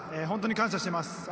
本当に感謝しています。